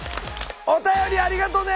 お便りありがとね！